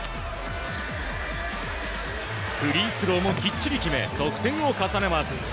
フリースローもきっちり決め得点を重ねます。